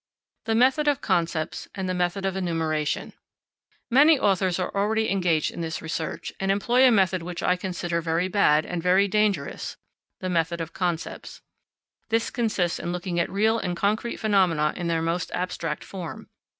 The Method of Concepts and the Method of Enumeration. Many authors are already engaged in this research, and employ a method which I consider very bad and very dangerous the method of concepts. This consists in looking at real and concrete phenomena in their most abstract form.